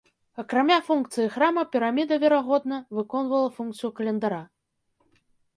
Акрамя функцыі храма піраміда, верагодна, выконвала функцыю календара.